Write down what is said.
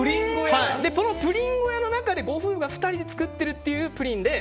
このプリン小屋の中でご夫婦２人で作っているというプリンで。